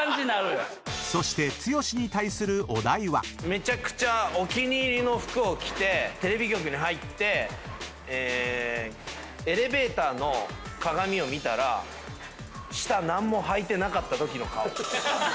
めちゃくちゃお気に入りの服を着てテレビ局に入ってエレベーターの鏡を見たら下何もはいてなかったときの顔。